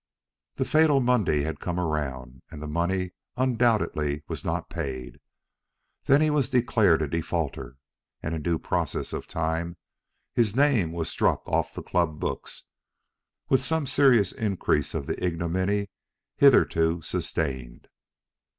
The fatal Monday had come round, and the money undoubtedly was not paid. Then he was declared a defaulter, and in due process of time his name was struck off the club books, with some serious increase of the ignominy hitherto sustained.